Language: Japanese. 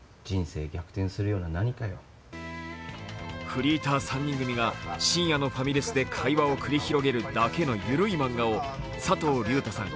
フリーター３人組が深夜のファミレスで会話を繰り広げるだけの緩いマンガを佐藤隆太さん